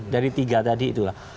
dari tiga tadi itu